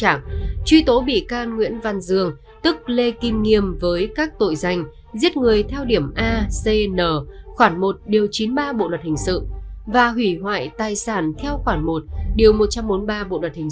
hành vi của nguyễn văn dương đã đủ yếu tố cấu thành tội giết người hủy hoại tài sản do bị can lê kim nghiêm